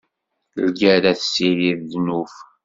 Lgerra tessirid ddnub.